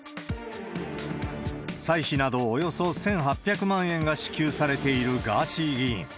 歳費などおよそ１８００万円が支給されているガーシー議員。